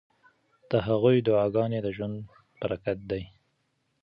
د هغوی دعاګانې د ژوند برکت دی.